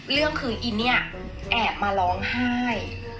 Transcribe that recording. เรื่องคืออินเนี่ยแอบมาร้องไห้